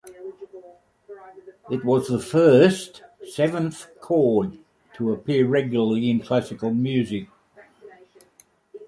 It was the first seventh chord to appear regularly in classical music.